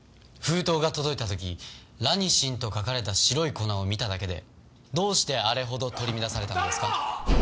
封筒が届いた時「ラニシン」と書かれた白い粉を見ただけでどうしてあれほど取り乱されたんですか？